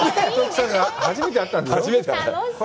初めて会ったんでしょう？